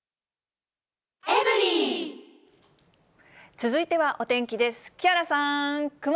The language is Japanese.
続いてはお天気です。